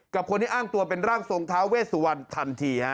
กับคนที่อ้างตัวเป็นร่างทรงท้าเวสวรรณทันทีฮะ